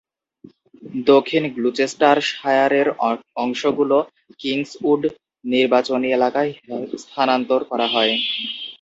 দক্ষিণ গ্লুচেস্টারশায়ারের অংশগুলো কিংসউড নির্বাচনী এলাকায় স্থানান্তর করা হয়।